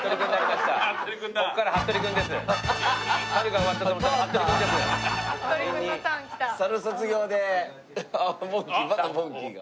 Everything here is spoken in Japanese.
またモンキーが。